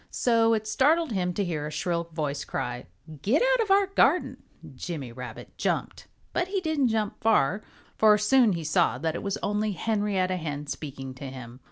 So it startled him to hear a shrill voice cry, "Get out of our garden!" Jimmy Rabbit jumped. But he didn't jump far, for he soon saw that it was only Henrietta Hen speaking to him.